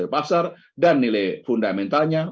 pasar dan nilai fundamentalnya